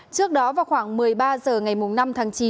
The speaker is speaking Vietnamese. trước đó vào khoảng một mươi ba h ngày năm tháng chín